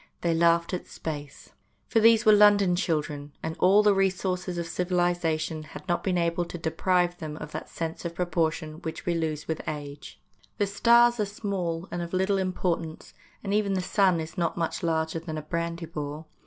They laughed at space. For these were London children, and all the resources of civilisation had not been able to deprive them of that sense of propor tion which we lose with age. The stars are STAGE CHILDREN 87 small and of little importance, and even the sun is not much larger than a brandy ball.